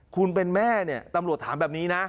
คุณเป็นแม่เนี่ยตำรวจถามแบบนี้นะ